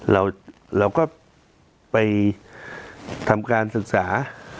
เราก็ไปทำการศึกษา